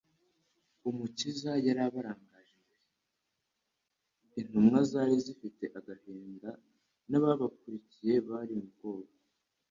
Umukiza «yari abarangaje imbere. Intumwa zari zifite agahinda n'ababakurikiye bari mu bwoba.»